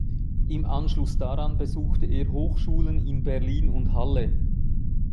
Im Anschluss daran besuchte er Hochschulen in Berlin und Halle.